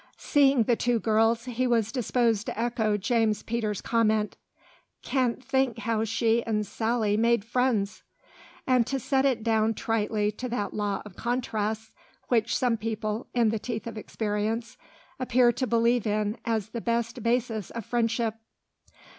Seeing the two girls, he was disposed to echo James Peters' comment, "Can't think how she and Sally made friends," and to set it down tritely to that law of contrasts which some people, in the teeth of experience, appear to believe in as the best basis of friendship.